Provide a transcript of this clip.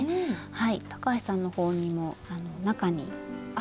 はい高橋さんのほうにも中に。